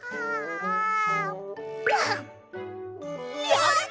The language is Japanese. やった！